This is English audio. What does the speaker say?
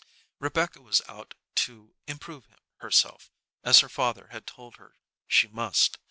Rebecca was out to "improve herself," as her father had told her she must.